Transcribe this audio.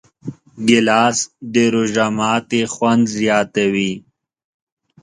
ګیلاس د روژه ماتي خوند زیاتوي.